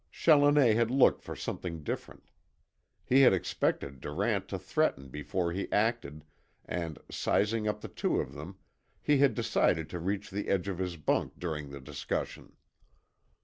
Challoner had looked for something different. He had expected Durant to threaten before he acted, and, sizing up the two of them, he had decided to reach the edge of his bunk during the discussion.